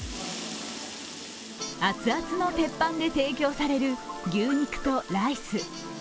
熱々の鉄板で提供される牛肉とライス。